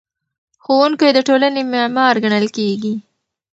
ښوونکی د ټولنې معمار ګڼل کېږي.